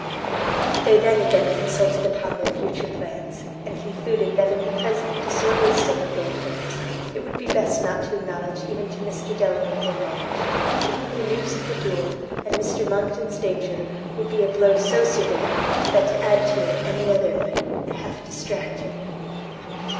They then again consulted upon their future plans; and concluded that in the present disordered state of their affairs, it would be best not to acknowledge even to Mr Delvile their marriage, to whom the news of the duel, and Mr Monckton's danger, would be a blow so severe, that, to add to it any other might half distract him.